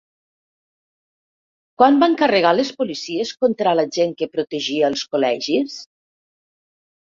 Quan van carregar les policies contra la gent que protegia els col·legis?